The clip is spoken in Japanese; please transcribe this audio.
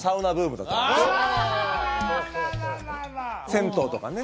銭湯とかね